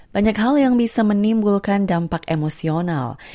banyak hal yang bisa menimbulkan dampak emosional